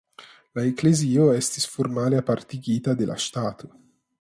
La eklezio estis formale apartigita de la ŝtato.